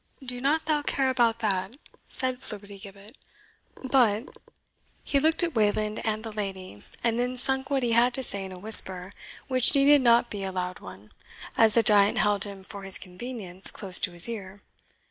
"Do not thou care about that," said Flibbertigibbet "but " he looked at Wayland and the lady, and then sunk what he had to say in a whisper, which needed not be a loud one, as the giant held him for his convenience close to his ear.